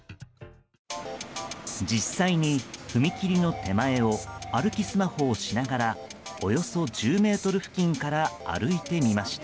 実際に踏切の手前を歩きスマホをしながらおよそ１０ｍ付近から歩いてみました。